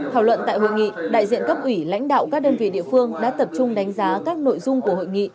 thảo luận tại hội nghị đại diện cấp ủy lãnh đạo các đơn vị địa phương đã tập trung đánh giá các nội dung của hội nghị